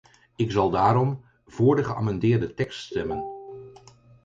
Ik zal daarom voor de geamendeerde tekst stemmen.